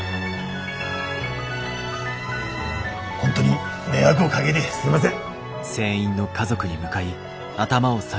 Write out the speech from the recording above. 本当に迷惑をかげてすいません。